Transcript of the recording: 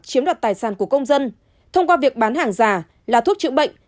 chiếm đoạt tài sản của công dân thông qua việc bán hàng giả là thuốc chữa bệnh